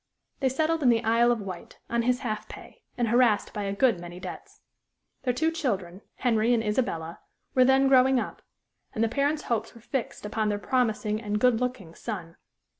They settled in the Isle of Wight, on his half pay, and harassed by a good many debts. Their two children, Henry and Isabella, were then growing up, and the parents' hopes were fixed upon their promising and good looking son.